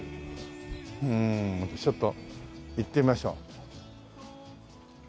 うんちょっと行ってみましょう。